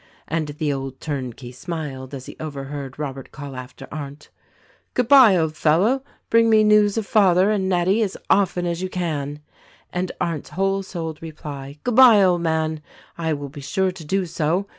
And the old turnkey smiled as he overheard Robert call after Arndt, "Good bye, old fellow, bring me news of father and Nettie as often as you can," and Arndt's whole souled reply, "Good bye, old man, I will be sure to do so.